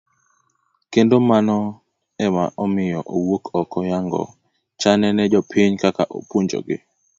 Kendo mano ema omiyo owuok oko yango chane ne jopiny ka opuonjogi.